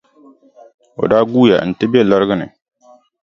O daa guuya nti be lariga ni.